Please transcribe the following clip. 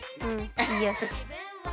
よし。